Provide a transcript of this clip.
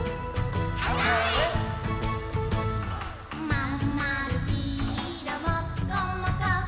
「まんまるきいろもっこもこ」